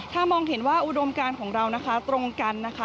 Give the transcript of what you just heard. ถ้ามองเห็นว่าอุดมการของเรานะคะตรงกันนะคะ